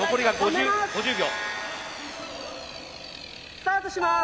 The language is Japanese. スタートします！